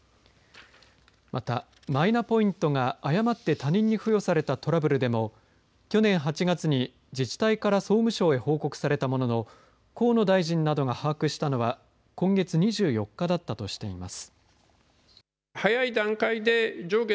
またマイナポイントが誤って他人に付与されたトラブルでも去年８月に自治体から総務省へ報告されたものの河野大臣などが把握したのは今月２４日だったとしています。